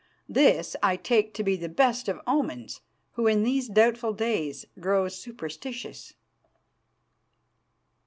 This I take to be the best of omens, who in these doubtful days grow superstitious.